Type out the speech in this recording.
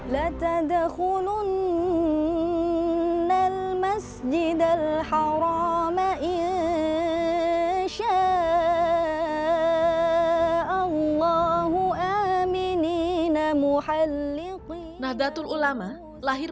pada tahun seribu sembilan ratus dua belas nu menerima keuntungan di indonesia